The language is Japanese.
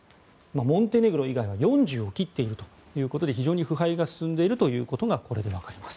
モンテネグロ以外は４０を切っているということで非常に腐敗が進んでいるということがこれで分かります。